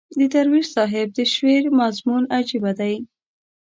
د درویش صاحب د شعر مضمون عجیبه دی.